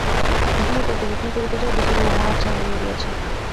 যখনই পর্যবেক্ষণ করিতে যাও দেখিবে উহা হাতছাড়া হইয়া গিয়াছে।